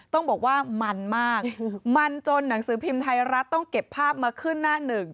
ต้องบอกว่ามันมากมันจนหนังสือพิมพ์ไทยรัฐต้องเก็บภาพมาขึ้นหน้าหนึ่ง